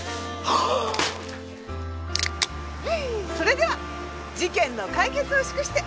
はいそれでは事件の解決を祝して。